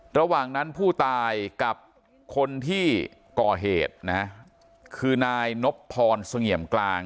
ระหว่างนั้นผู้ตายกับคนที่ก่อเหตุนะฮะคือนายนบพรเสงี่ยมกลาง